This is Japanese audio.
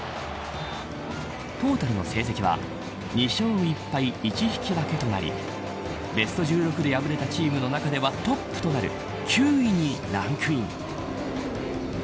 トータルの成績は２勝１敗１引き分けとなりベスト１６で敗れたチームの中ではトップとなる９位にランクイン。